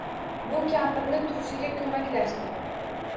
Bu kampirni turishiga koʻmaklashdi